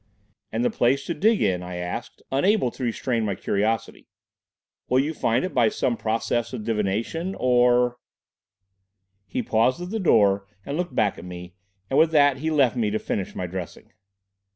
"And the place to dig in," I asked, unable to restrain my curiosity, "will you find it by some process of divination or—?" He paused at the door and looked back at me, and with that he left me to finish my dressing.